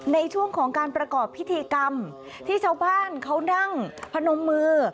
ในช่วงของการประกอบพิธีกรรมที่ชาวบ้านเขานั่งพนมมือ